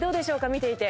見ていて。